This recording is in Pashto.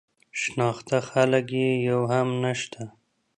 شناخته خلک یې یو هم نه شته.